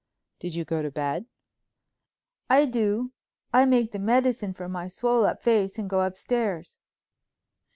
"Did you go to bed?" "I do. I make the medicine for my swole up face and go upstairs."